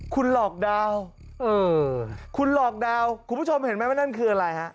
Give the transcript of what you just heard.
คุณหลอกดาวน์คุณหลอกดาวน์คุณผู้ชมเห็นไหมว่านั่นคืออะไรฮะ